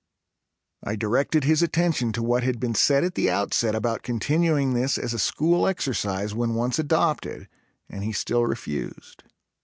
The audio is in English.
I directed his attention to what had been said at the outset about continuing this as a school exercise when once adopted, and he still refused.